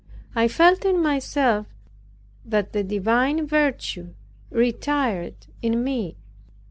I felt in myself that the divine virtue retired in me.